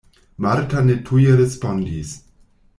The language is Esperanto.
Marta ne tuj respondis.